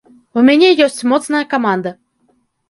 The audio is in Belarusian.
У мяне ёсць моцная каманда.